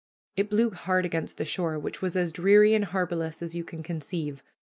It blew hard against the shore, which was as dreary and harborless as you can conceive.